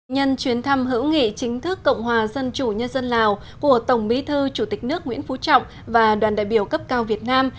nhân chuyến thăm hữu nghị chính thức cộng hòa dân chủ nhân dân lào của tổng bí thư chủ tịch nước nguyễn phú trọng và đoàn đại biểu cấp cao việt nam